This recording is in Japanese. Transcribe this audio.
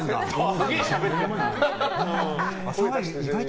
すげえしゃべってる。